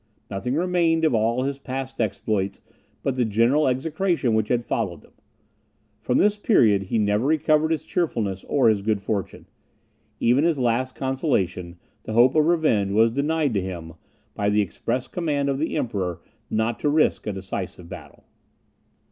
Nothing remained of all his past exploits, but the general execration which had followed them. From this period, he never recovered his cheerfulness or his good fortune. Even his last consolation, the hope of revenge, was denied to him, by the express command of the Emperor not to risk a decisive battle.